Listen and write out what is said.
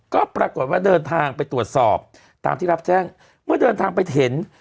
ก็ปรากฏว่าเดินทางไปตรวจสอบตามที่รับแจ้งเมื่อเดินทางไปเห็น